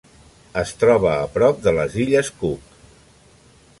Es troba a prop de les Illes Cook.